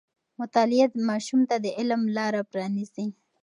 مطالعه ماشوم ته د علم لاره پرانیزي.